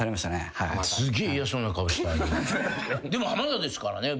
でも浜田ですからね。